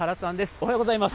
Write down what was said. おはようございます。